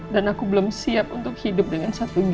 dan aku belum siap untuk hidup dengan satu ginjal